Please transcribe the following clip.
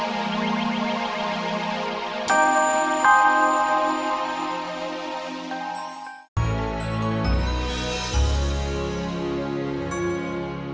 semoga berhasil kakang